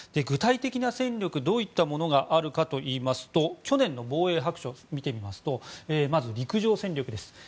具体的な戦力どういったものがあるかといいますと去年の防衛白書を見てみますとまず、陸上戦力です。